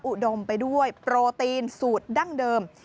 อุดมไปด้วยโปรตีนสูตรดั้งเดิม